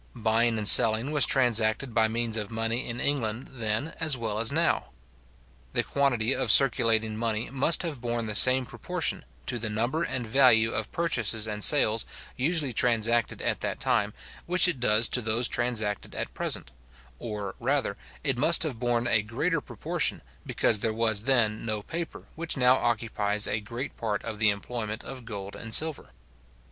Buying and selling was transacted by means of money in England then as well as now. The quantity of circulating money must have borne the same proportion, to the number and value of purchases and sales usually transacted at that time, which it does to those transacted at present; or, rather, it must have borne a greater proportion, because there was then no paper, which now occupies a great part of the employment of gold and silver.